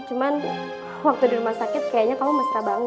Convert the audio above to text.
cuman waktu di rumah sakit kayaknya kamu mesra banget